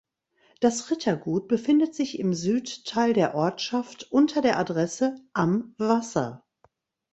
Das Rittergut befindet sich im Südteil der Ortschaft unter der Adresse "Am Wasser".